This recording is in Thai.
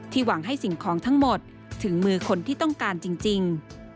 หวังให้สิ่งของทั้งหมดถึงมือคนที่ต้องการจริง